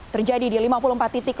terjadi di lima puluh empat titik